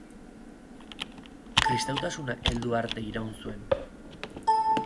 Kristautasuna heldu arte iraun zuen.